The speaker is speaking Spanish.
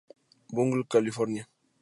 Bungle, California.